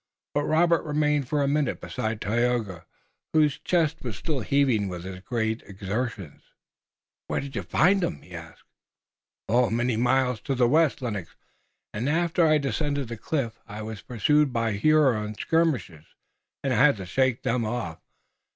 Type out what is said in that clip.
But Robert remained for a minute beside Tayoga, whose chest was still heaving with his great exertions. "Where did you find them?" he asked. "Many miles to the west, Lennox. After I descended the cliff I was pursued by Huron skirmishers, and I had to shake them off.